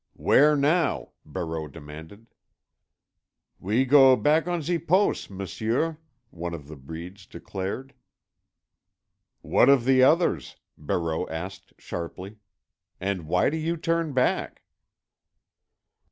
"Where now?" Barreau demanded. "We go back on ze pos', M'sieu," one of the breeds declared. "What of the others?" Barreau asked sharply. "And why do you turn back?"